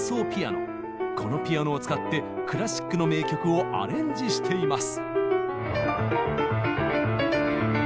このピアノを使ってクラシックの名曲をアレンジしています。